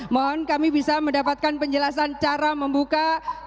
mohon kami bisa mendapatkan penjelasan cara membuka